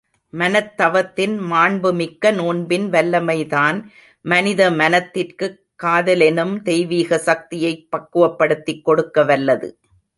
மனத்தவத்தின் மாண்புமிக்க நோன்பின் வல்லமைதான் மனித மனத்திற்குக் காதலெனும் தெய்விக சக்தியைப் பக்குவப்படுத்திக் கொடுக்கவல்லது.